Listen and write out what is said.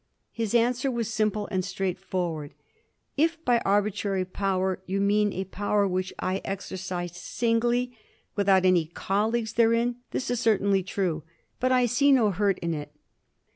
His answer was sim ple and straightforward. " If by arbitrary power you mean a power which I exercise singly, without any colleagues therein, this is certainly true; but I see no hurt in it."